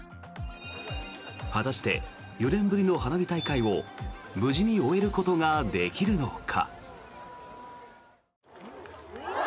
果たして、４年ぶりの花火大会を無事に終えることができるのか。